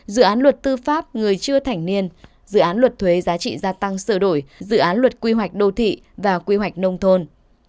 dự án luật tư pháp người chưa thành niên dự án luật thuế giá trị gia tăng sửa đổi dự án luật quy hoạch đô thị và quy hoạch nông thôn